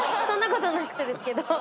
そんなことなくてですけど。